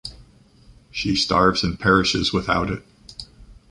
She starves and perishes without it.